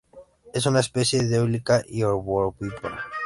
Es una especie dioica y ovovivípara.